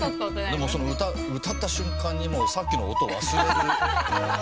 でも歌った瞬間にもうさっきの音を忘れる。